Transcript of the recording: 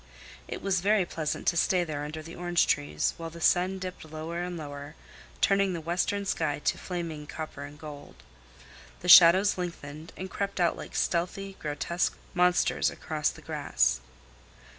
It was very pleasant to stay there under the orange trees, while the sun dipped lower and lower, turning the western sky to flaming copper and gold. The shadows lengthened and crept out like stealthy, grotesque monsters across the grass.